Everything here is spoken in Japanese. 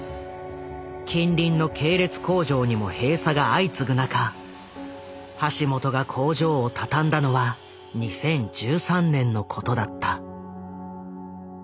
近隣の系列工場にも閉鎖が相次ぐ中橋本が工場を畳んだのは２０１３年のことだった。